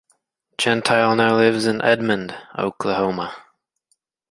Gentile now lives in Edmond, Oklahoma.